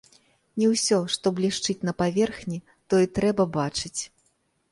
Не ўсё, што блішчыць на паверхні, то і трэба бачыць.